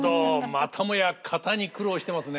またもや型に苦労してますね。